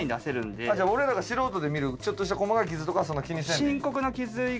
じゃあ俺らが素人で見るちょっとした細かい傷とかはそんなに気にせんでいいん？